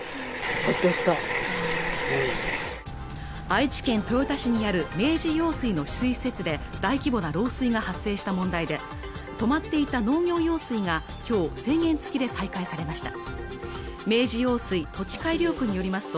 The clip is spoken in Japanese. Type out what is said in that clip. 愛知県豊田市にある明治用水の取水施設で大規模な漏水が発生した問題で止まっていた農業用水が今日制限付きで再開されました